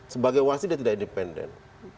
sebagai wasit dia tidak independen